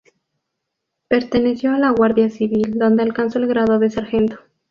Perteneció a la Guardia Civil, donde alcanzó el grado de sargento.